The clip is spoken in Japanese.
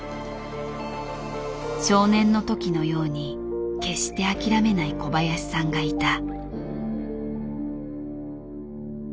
少年の時のように決して諦めない小林さんがいた。